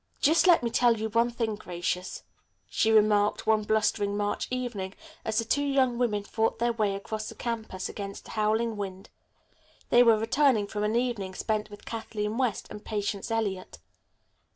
"Just let me tell you one thing, Gracious," she remarked one blustering March evening as the two young women fought their way across the campus against a howling wind. They were returning from an evening spent with Kathleen West and Patience Eliot.